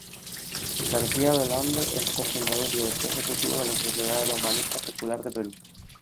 Garcia-Belaunde es co-fundador y director ejecutivo de la Sociedad de Humanista Secular de Perú.